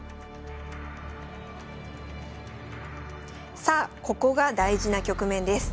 さあここが大事な局面です。